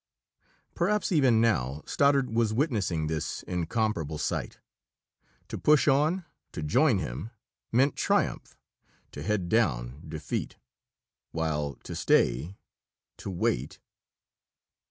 Perhaps, even now, Stoddard was witnessing this incomparable sight. To push on, to join him, meant triumph. To head down, defeat. While to stay, to wait....